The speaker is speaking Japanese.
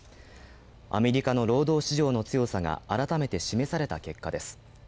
アメリカの労働市場の強さが改めて示された結果です。